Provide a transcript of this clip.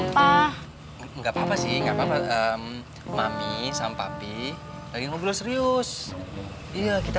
kita gak apa apa sih ngapapa mami disampapi lagi membulai serius dia kita